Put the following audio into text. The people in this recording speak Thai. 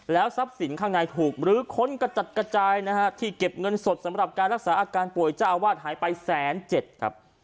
ทรัพย์สินข้างในถูกหรือค้นกระจัดกระจายนะฮะที่เก็บเงินสดสำหรับการรักษาอาการป่วยเจ้าอาวาสหายไปแสนเจ็ดครับ